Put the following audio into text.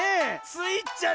スイちゃん